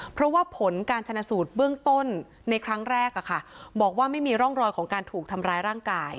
เพราะว่าผลการชนะสูตรเบื้องต้นในครั้งแรกบอกว่าไม่มีร่องรอยของการถูกทำร้ายร่างกาย